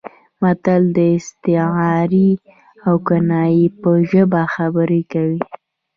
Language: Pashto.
متل د استعارې او کنایې په ژبه خبرې کوي